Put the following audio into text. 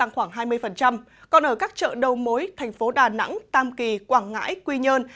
khoảng hai mươi còn ở các chợ đầu mối thành phố đà nẵng tam kỳ quảng ngãi quy nhơn